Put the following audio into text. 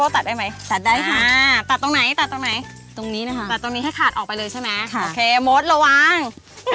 ตัดตรงไหนตรงนี้นะครับตัดตรงนี้ให้ขาดออกไปเลยใช่ไหมโอเคมดระวัง